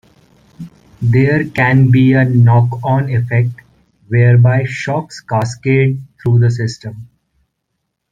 There can be a knock-on effect, whereby shocks cascade through the system.